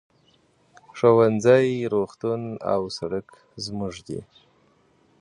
ښوونځی، روغتون او سرک زموږ دي.